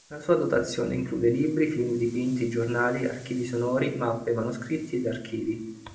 La sua dotazione include libri, film, dipinti, giornali, archivi sonori, mappe, manoscritti ed archivi.